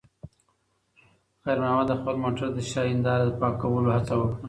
خیر محمد د خپل موټر د شا د هیندارې د پاکولو هڅه وکړه.